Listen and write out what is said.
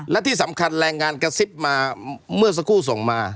และที่สำคัญแรงงานกระซิบมาเมื่อสักครู่ส่งมา